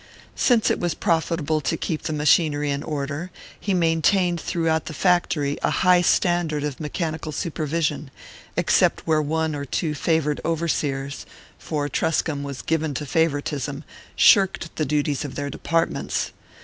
Since it was profitable to keep the machinery in order, he maintained throughout the factory a high standard of mechanical supervision, except where one or two favoured overseers for Truscomb was given to favoritism shirked the duties of their departments.